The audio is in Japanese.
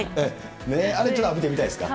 あれちょっと浴びてみたいですか。